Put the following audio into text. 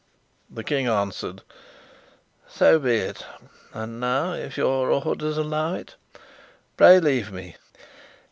The King answered: "So be it! And now, if your orders allow it, pray leave me."